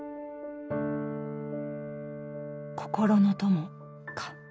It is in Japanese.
心の友か。